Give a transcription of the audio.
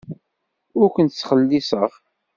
Ur ken-ttxelliṣeɣ.